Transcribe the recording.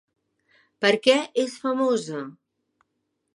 Per què és famosa?